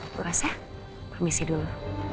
gue rasa permisi dulu